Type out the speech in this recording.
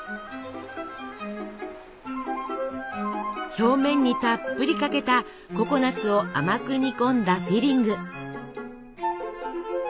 表面にたっぷりかけたココナツを甘く煮込んだフィリング。